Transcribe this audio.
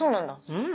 うん。